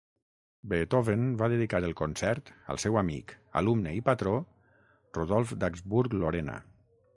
Beethoven va dedicar el concert al seu amic, alumne i patró Rodolf d'Habsburg-Lorena.